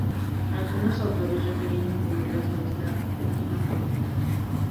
Algunos autores prefieren incluirlas en esta última familia.